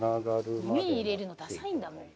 耳に入れるのダサいんだもん。